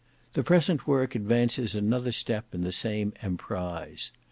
The present work advances another step in the same emprise.